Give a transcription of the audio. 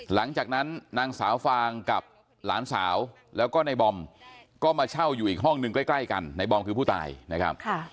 หลังจากนั้นนางสาวฟางกับหลานสาวแล้วก็ในบอมก็มาเช่าอยู่อีกห้องหนึ่งใกล้กันในบอมคือผู้ตายนะครับ